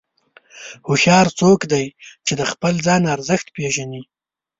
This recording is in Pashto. هوښیار څوک دی چې د خپل ځان ارزښت پېژني.